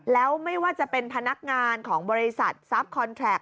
แล้วไม่ว่าจะเป็นพนักงานของบริษัทซับคอนแคลร์ต